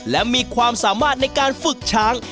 และมีความสามารถในการฝึกช้าง